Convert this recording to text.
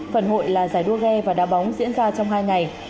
phần hội là giải đua ghe và đa bóng diễn ra trong hai ngày